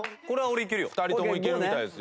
２人ともいけるみたいですよ。